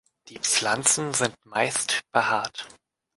Die Pflanzen sind meist behaart.